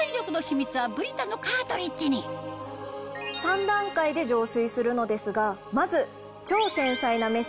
この３段階で浄水するのですがまず。